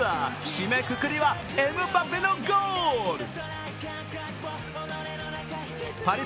締めくくりはエムバペのゴール。